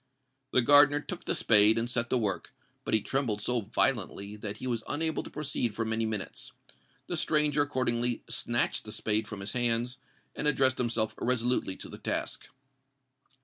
The gardener took the spade, and set to work; but he trembled so violently that he was unable to proceed for many minutes. The stranger accordingly snatched the spade from his hands, and addressed himself resolutely to the task.